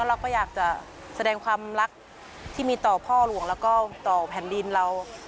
เราก็อยากจะแสดงความรักที่มีต่อพ่อหลวงแล้วก็ต่อแผ่นดินเรา